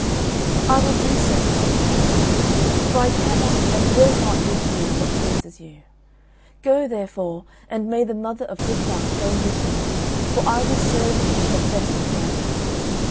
"I will do so," said the fairy, "for I cannot and will not refuse what pleases you. Go, therefore, and may the mother of good luck go with you, for I will serve you to the best of my power.